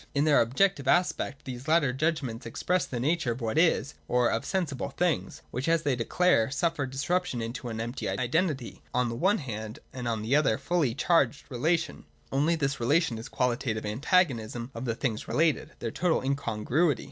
— In their objective aspect, these latter judgments ex press the nature of what is, or of sensible things, which, as they declare, suffer disruption into an empty identity on the one hand, and on the other a fully charged rela tion — only that this relation is the qualitative antagonism of the things related, their total incongruity.